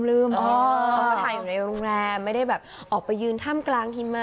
เขาก็ถ่ายอยู่ในโรงแรมไม่ได้แบบออกไปยืนถ้ำกลางหิมะ